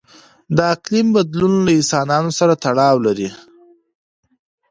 د اقلیم بدلون له انسانانو سره تړاو لري.